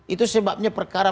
itu sebabnya perkara